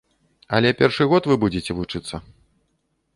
Але першы год вы будзе вучыцца.